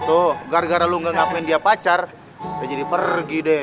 tuh gara gara lo gak ngapain dia pacar udah jadi pergi deh